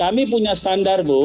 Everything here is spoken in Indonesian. kami punya standar bu